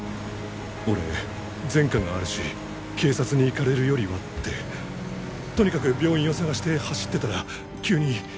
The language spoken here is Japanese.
俺前科があるし警察に行かれるよりはってとにかく病院を探して走ってたら急に。